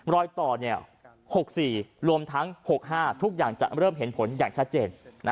รอยต่อ๖๔รวมทั้ง๖๕ทุกอย่างจะเริ่มเห็นผลอย่างชัดเจน